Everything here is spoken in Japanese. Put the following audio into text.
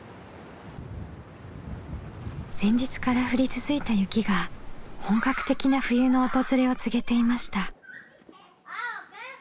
前日から降り続いた雪が本格的な冬の訪れを告げていました。